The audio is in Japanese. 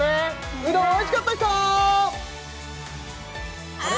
うどんおいしかった人？